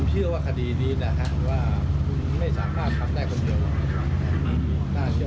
ผมเชื่อว่าคดีนี้นะครับว่าครูไม่ชาบว่าขับแต่คนเดียว